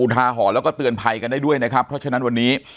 ทาหรณ์แล้วก็เตือนภัยกันได้ด้วยนะครับเพราะฉะนั้นวันนี้